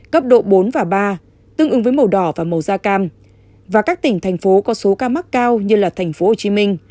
cấp độ bốn và ba tương ứng với màu đỏ và màu da cam và các tỉnh thành phố có số ca mắc cao như là thành phố hồ chí minh